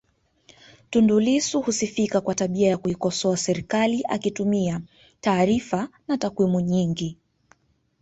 Tundu Lissu husifika kwa tabia ya kuikosoa serikali akitumia taarifa na takwimu nyingi